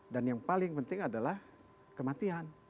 dan yang paling penting adalah kematian